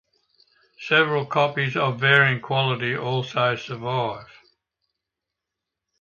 Several copies of varying quality also survive.